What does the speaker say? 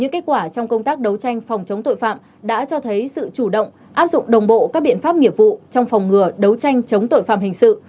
những kết quả trong công tác đấu tranh phòng chống tội phạm đã cho thấy sự chủ động áp dụng đồng bộ các biện pháp nghiệp vụ trong phòng ngừa đấu tranh chống tội phạm hình sự